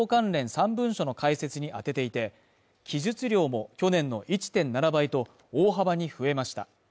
３文書の解説に当てていて記述量も去年の１．７倍と大幅に増えました